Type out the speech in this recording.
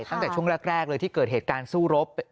ตั้งแต่ช่วงแรกเลยที่เกิดเหตุการณ์สู้รบ